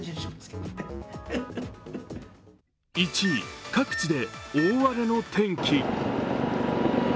１位、各地で大荒れの天気。